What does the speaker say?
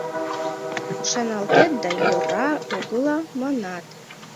Шоналтет да йӧра-огыла, манат.